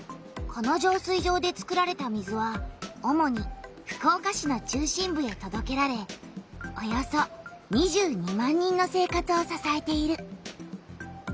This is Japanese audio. この浄水場で作られた水はおもに福岡市の中心部へとどけられおよそ２２万人の生活をささえている。